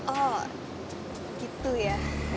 oh gitu ya